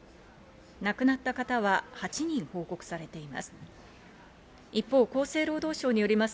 亡くなった方は８人報告されています。